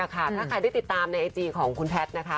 ถ้าใครได้ติดตามในไอจีของคุณแพทย์นะคะ